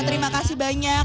terima kasih banyak